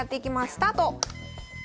スタート！